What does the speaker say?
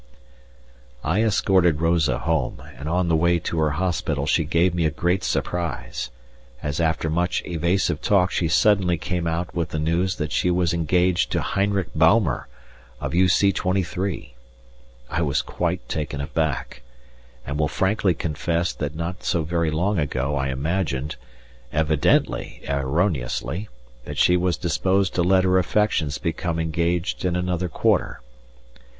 I escorted Rosa home, and on the way to her hospital she gave me a great surprise, as after much evasive talk she suddenly came out with the news that she was engaged to Heinrich Baumer, of U.C.23. I was quite taken aback, and will frankly confess that not so very long ago I imagined, evidently erroneously, that she was disposed to let her affections become engaged in another quarter.